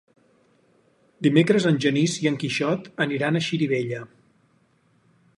Dimecres en Genís i en Quixot aniran a Xirivella.